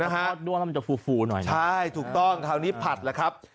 อ๋อทอดด้วงมันจะฟูหน่อยใช่ถูกต้องคราวนี้ผัดละครับ